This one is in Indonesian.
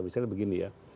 misalnya begini ya